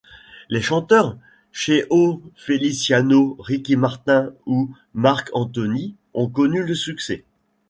Les chanteurs Cheo Feliciano, Ricky Martin ou Marc Anthony ont connu le succès.